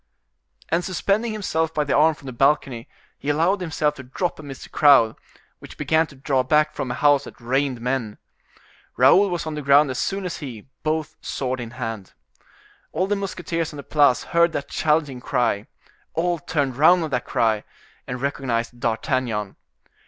And suspending himself by the arm from the balcony, he allowed himself to drop amidst the crowd, which began to draw back form a house that rained men. Raoul was on the ground as soon as he, both sword in hand. All the musketeers on the Place heard that challenging cry—all turned round at that cry, and recognized D'Artagnan.